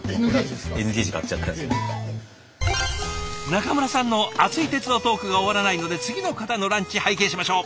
中村さんの熱い鉄道トークが終わらないので次の方のランチ拝見しましょう。